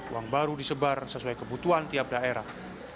uang baru disebar sesuai kebutuhan tiap daerah